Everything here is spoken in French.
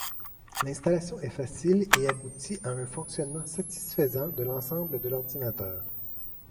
L'installation est facile et aboutit à un fonctionnement satisfaisant de l'ensemble de l'ordinateur.